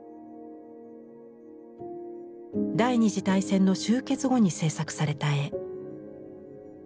第２次大戦の終結後に制作された絵。